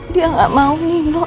dia gak mau nino